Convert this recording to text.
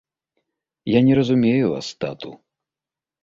Я не разумею вас, тату.